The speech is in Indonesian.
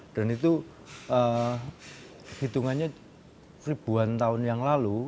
dan itu hitungannya ribuan tahun yang lalu